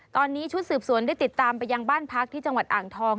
ตอนนี้ชุดสืบสวนได้ติดตามไปยังบ้านพักที่จังหวัดอ่างทอง